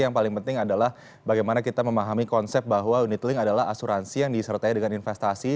yang paling penting adalah bagaimana kita memahami konsep bahwa unit link adalah asuransi yang disertai dengan investasi